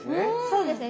そうですね